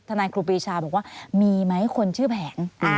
นายครูปีชาบอกว่ามีไหมคนชื่อแผง